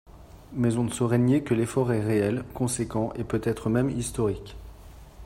Mais on ne saurait nier que l’effort est réel, conséquent et peut-être même historique.